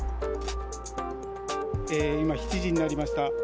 今、７時になりました。